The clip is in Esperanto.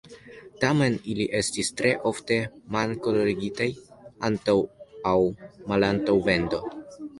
Tamen, ili estis tre ofte man-kolorigitaj antaŭ aŭ malantaŭ vendo.